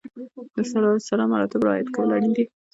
د سلسله مراتبو رعایت کول اړین دي.